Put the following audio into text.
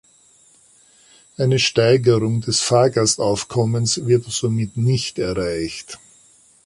Eine Steigerung des Fahrgastaufkommens wird somit nicht erreicht.